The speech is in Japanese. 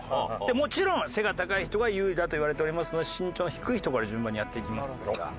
もちろん背が高い人が有利だといわれておりますので身長の低い人から順番にやっていきますが。